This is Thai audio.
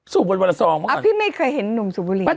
สูบบุหรี่แมวดำพี่ไม่เคยเห็นหนุ่มสูบบุหรี่